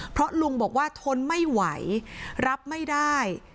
เพราะลุงบอกว่าทนไม่ไหวรับไม่ได้